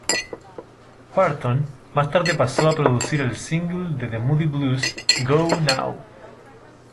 Wharton más tarde pasó a producir el single de The Moody Blues "Go Now".